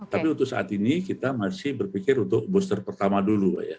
tapi untuk saat ini kita masih berpikir untuk booster pertama dulu ya